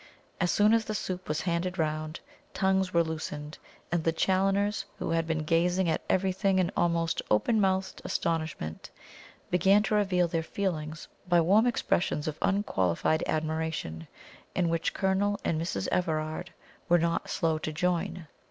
As soon as the soup was handed round, tongues were loosened, and the Challoners, who had been gazing at everything in almost open mouthed astonishment, began to relieve their feelings by warm expressions of unqualified admiration, in which Colonel and Mrs. Everard were not slow to join.